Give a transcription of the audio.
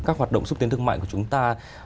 các hoạt động xúc tiến thương mại của chúng ta